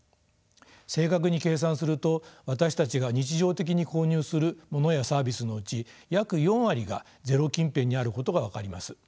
正確に計算すると私たちが日常的に購入するものやサービスのうち約４割がゼロ近辺にあることが分かります。